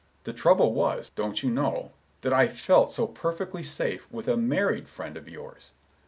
The trouble was, don't you know, that I felt so perfectly safe with a married friend of yours.